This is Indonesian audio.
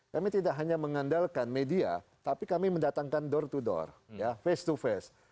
kami tidak hanya mengandalkan media tapi kami mendatangkan door to door ya face to face